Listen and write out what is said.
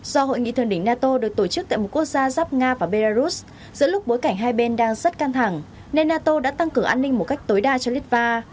do hội nghị thượng đỉnh nato được tổ chức tại một quốc gia giáp nga và belarus giữa lúc bối cảnh hai bên đang rất căng thẳng nên nato đã tăng cường an ninh một cách tối đa cho litva